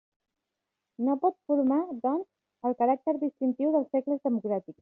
No pot formar, doncs, el caràcter distintiu dels segles democràtics.